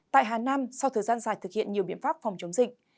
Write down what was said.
tại hà nam sau thời gian dài thực hiện nhiều biện pháp phòng chống dịch